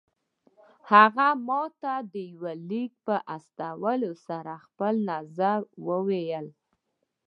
هغه ماته د يوه ليک په استولو سره خپل نظر ووايه.